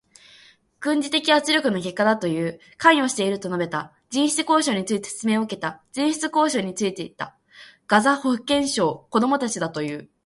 軍事的圧力の結果だという。関与していると述べた。人質交渉について説明を受けた。人質交渉についてた。ガザ保健省、子どもたちだという。